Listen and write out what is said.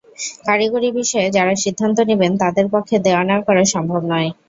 কারিগরি বিষয়ে যাঁরা সিদ্ধান্ত নেবেন, তাঁদের পক্ষে দেওয়া-নেওয়া করা সম্ভব নয়।